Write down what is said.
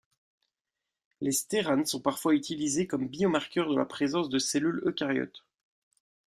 Les stéranes sont parfois utilisés comme biomarqueurs de la présence de cellules eucaryotes.